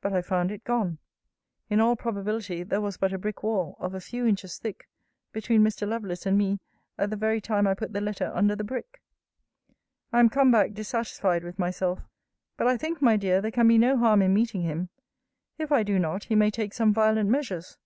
But I found it gone. In all probability, there was but a brick wall, of a few inches thick, between Mr. Lovelace and me, at the very time I put the letter under the brick! I am come back dissatisfied with myself. But I think, my dear, there can be no harm in meeting him. If I do not, he may take some violent measures.